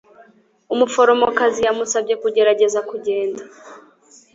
Umuforomokazi yamusabye kugerageza kugenda